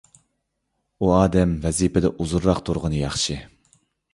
ئۇ ئادەم ۋەزىپىدە ئۇزۇنراق تۇرغىنى ياخشى.